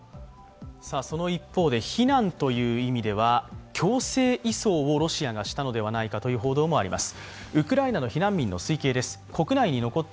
その一方で避難という意味では強制移送をロシアがしたのではないかという報道もあります。